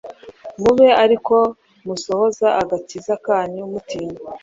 mube ariko musohoza agakiza kanyu mutinya,